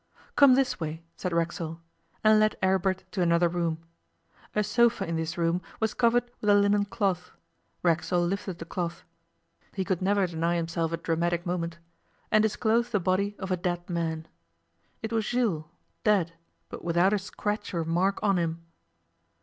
'Come this way,' said Racksole, and led Aribert to another room. A sofa in this room was covered with a linen cloth. Racksole lifted the cloth he could never deny himself a dramatic moment and disclosed the body of a dead man. It was Jules, dead, but without a scratch or mark on him.